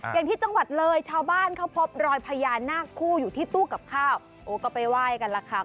อย่างที่จังหวัดเลยชาวบ้านเขาพบรอยพญานาคคู่อยู่ที่ตู้กับข้าวโอ้ก็ไปไหว้กันล่ะค่ะ